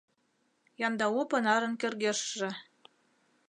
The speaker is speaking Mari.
Яндау понарын кӧргешыже